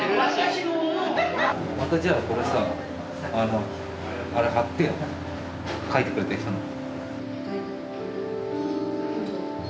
またじゃあこれさあれ貼ってよ書いてくれた人の。